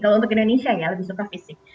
kalau untuk indonesia ya lebih suka fisik